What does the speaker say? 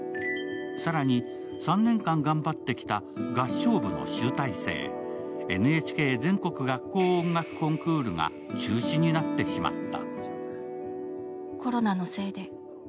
更に、３年間頑張ってきた合唱部の集大成ＮＨＫ全国学校音楽コンクールが中止になってしまった。